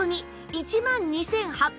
１万２８００円！